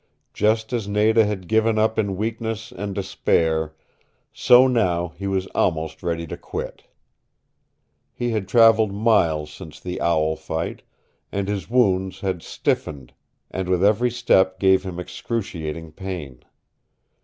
Just as Nada had given up in weakness and despair, so now he was almost ready to quit. He had traveled miles since the owl fight, and his wounds had stiffened, and with every step gave him excruciating pain.